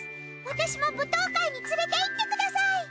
私も舞踏会に連れていってください！